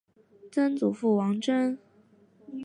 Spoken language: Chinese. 曾祖父王珍。